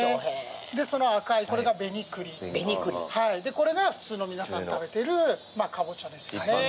これが普通の皆さん食べてるカボチャですね。